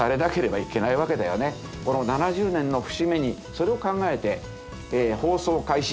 この７０年の節目にそれを考えて放送開始